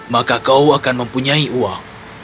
maka kau akan mempunyai uang